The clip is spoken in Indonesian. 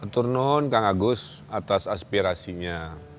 turnun kang agus atas aspirasinya